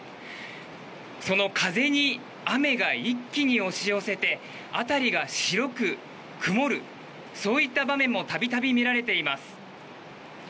その風に雨が一気に押し寄せて辺りが白く曇るそういった場面も度々見られています。